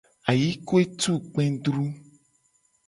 Ayikue tu kpedru.